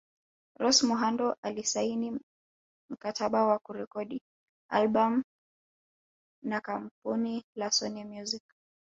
Rose Muhando alisaini mkataba wa kurekodi albam na kampuni la Sony Music